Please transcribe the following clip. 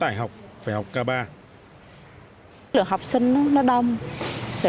nếu mà học ca ba thì cái ca buổi trưa rất là khó khăn đối với phụ huynh